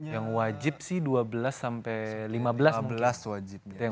yang wajib sih dua belas sampai lima belas wajib